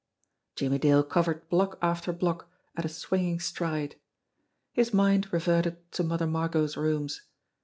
Jimmie Dale covered block after block at a swinging stride. His mind reverted to Mother Margot's rooms.